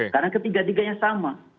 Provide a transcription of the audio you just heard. karena ketiga tiganya sama